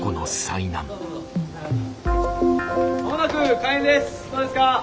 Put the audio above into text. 間もなく開演です！